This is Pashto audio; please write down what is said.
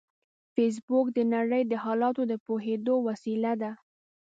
فېسبوک د نړۍ د حالاتو د پوهېدو وسیله ده